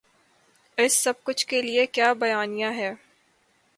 اس سب کچھ کے لیے کیا بیانیہ ہے۔